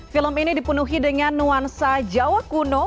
film ini dipenuhi dengan nuansa jawa kuno